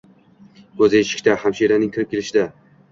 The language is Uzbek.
Ko‘zi eshikda, hamshiraning kirib kelishida.